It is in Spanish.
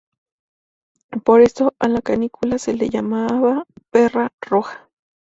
Por esto a la canícula se le llamaba "perra roja".